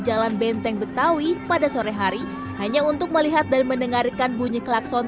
jalan benteng betawi pada sore hari hanya untuk melihat dan mendengarkan bunyi klakson